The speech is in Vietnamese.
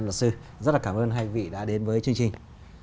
luật sư rất là cảm ơn hai vị đã đến với chương trình